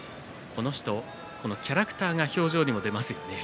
この人はキャラクターが表情にも出ます。